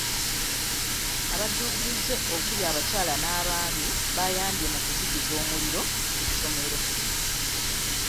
Abadduukirize okuli abakyala n'abaami bayambye mu kuzikiza omuliro ku ssomero.